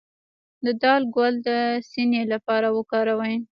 د دال ګل د سینې لپاره وکاروئ